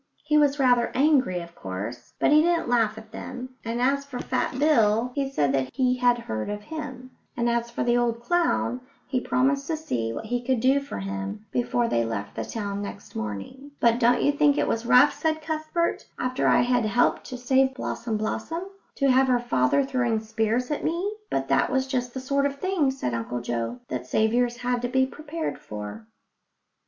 He was rather angry, of course, but he didn't laugh at them, and as for Fat Bill, he said that he had heard of him; and as for the old clown, he promised to see what he could do for him before they left the town next morning. "But don't you think it was rough," said Cuthbert, "after I had helped to save Blossom blossom, to have her father throwing spears at me?" But that was just the sort of thing, said Uncle Joe, that saviours had to be prepared for.